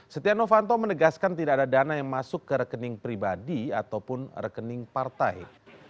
setia novanto menegaskan tidak ada dana yang masuk ke rekening pribadi ataupun rekening partai